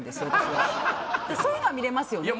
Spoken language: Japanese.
そういうのは見れますよね？